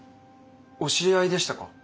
お知り合いでしたか。